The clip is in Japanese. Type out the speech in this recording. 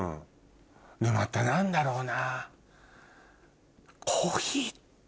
また何だろうな。